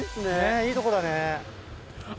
ねっいいとこだね。